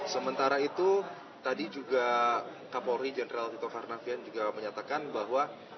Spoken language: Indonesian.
sementara itu tadi juga kapolri jenderal tito karnavian juga menyatakan bahwa